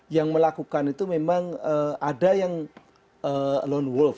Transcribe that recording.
yang melakukan itu memang ada yang lone wolf